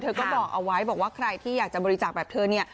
ก็บอกเอาไว้บอกว่าใครที่อยากจะบริจาคแบบเธอเนี่ย